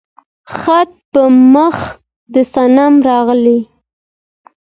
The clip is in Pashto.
خط په مخ د صنم راغى